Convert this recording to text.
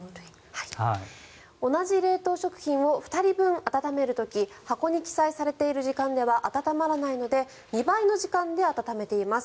同じ冷凍食品を２人分温める時箱に記載されている時間では温まらないので２倍の時間で温めています。